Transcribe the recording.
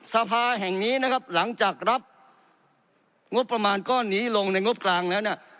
สภาแห่งนี้นะครับหลังจากรับงบประมาณก้อนนี้ลงในงบกลางแล้วเนี่ย